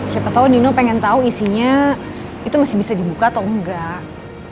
siapa tau nino pengen tahu isinya itu masih bisa dibuka atau enggak